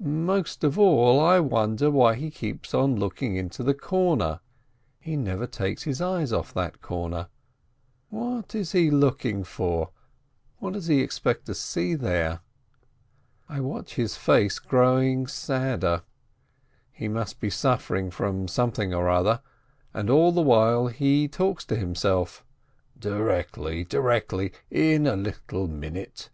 Most of all I wonder why he keeps on looking into the corner — he never takes his eyes off that corner. What is he looking for, what does he expect to see there? I watch his face growing sadder — he must be suf fering from something or other — and all the while he talks to himself, "Directly, directly, in one little minute."